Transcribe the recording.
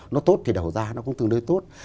nó tốt thì đầu ra nó cũng tương đối tốt